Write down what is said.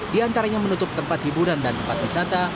di antaranya menutup tempat hiburan dan tempat wisata